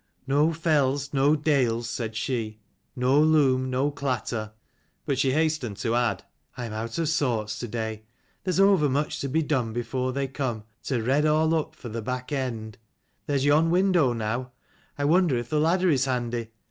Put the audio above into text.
" No fells, no dales," said she: " no loom, no clatter;" but she hastened to add "I am out of sorts to day. There's overmuch to be done before they come, to redd all up for the back end. There's yon window now. I wonder if the ladder is handy.